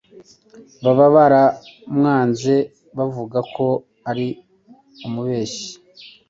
baba baramwanze bavuga ko ari umubeshyi.